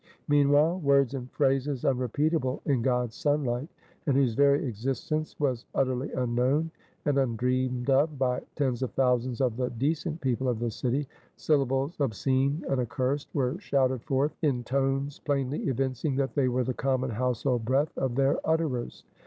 Meanwhile, words and phrases unrepeatable in God's sunlight, and whose very existence was utterly unknown, and undreamed of by tens of thousands of the decent people of the city; syllables obscene and accursed were shouted forth in tones plainly evincing that they were the common household breath of their utterers.